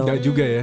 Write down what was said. nggak juga ya